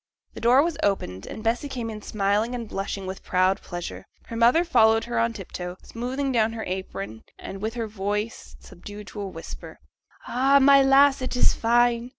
The door was opened, and Bessy came in smiling and blushing with proud pleasure. Her mother followed her on tip toe, smoothing down her apron, and with her voice subdued to a whisper: 'Ay, my lass, it is fine!